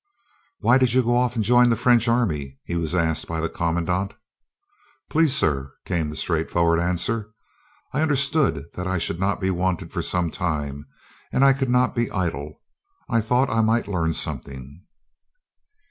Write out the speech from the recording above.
"Why did you go off and join the French army?" he was asked by the commandant. "Please, sir," came the straightforward answer, "I understood that I should not be wanted for some time, and I could not be idle. I thought I might learn something."